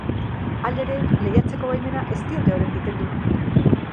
Halere, lehiatzeko baimena ez diote oraindik kendu.